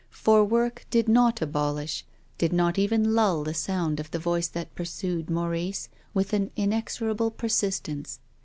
For work did not abolish, did not even lull the sound of the voice that pursued Maurice with an inexora ble persistence.